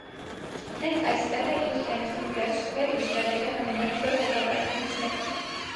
Հենց այստեղ է իր կյանքին վերջ տվել միջնադարյան ամենահզոր ղեկավարներից մեկը։